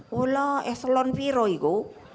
walao eh selon viro itu